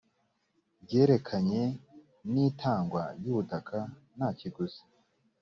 ryerekeranye n itangwa ry ubutaka nta kiguzi